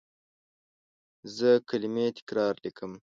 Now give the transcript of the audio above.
زه کلمې تکرار لیکم.